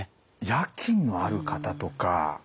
夜勤のある方とか。